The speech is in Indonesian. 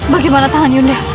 bagaimana tangan yunda